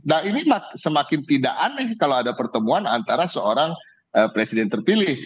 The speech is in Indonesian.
nah ini semakin tidak aneh kalau ada pertemuan antara seorang presiden terpilih